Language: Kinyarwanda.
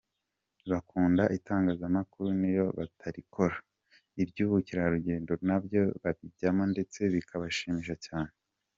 Bakunda itangazamakuru n’iyo batarikora, iby’ubukerarugendo na byo babijyamo ndetse bikabashimisha cyane.